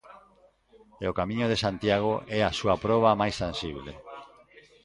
E o Camiño de Santiago é a súa proba máis tanxible.